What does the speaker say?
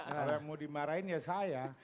kalau mau dimarahin ya saya